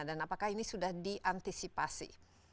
dan apakah ini sudah diantisipasi